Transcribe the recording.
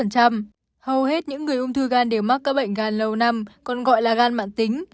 hầu hết những người ung thư gan đều mắc các bệnh gan lâu năm còn gọi là gan mạng tính